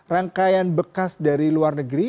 rangkaian bekas dari luar negeri